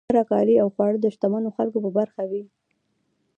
غوره کالي او خواړه د شتمنو خلکو په برخه وي.